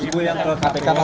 ibu yang ke kpk